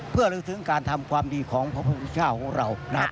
เพื่อรึกถึงการทำความดีของพระพุทธวิชาของเรา